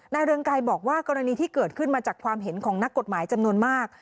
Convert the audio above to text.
เรืองไกรบอกว่ากรณีที่เกิดขึ้นมาจากความเห็นของนักกฎหมายจำนวนมาก